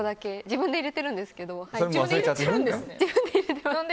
自分で入れてるんですけど。